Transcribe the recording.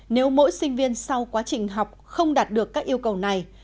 nếu mỗi sinh viên sau quá trình học không đạt được các yêu cầu này